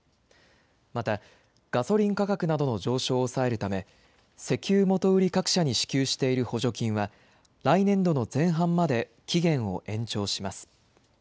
また、ガソリン価格などの上昇を抑えるため、石油元売り各社に支給している補助金は、来年度の前半まで期限を延長します。